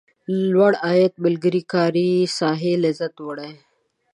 لوړ عاید ملګري کاري ساحې لذت وړي.